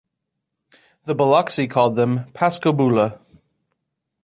The Biloxi called them "Pascoboula".